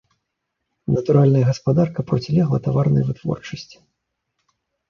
Натуральная гаспадарка процілегла таварнай вытворчасці.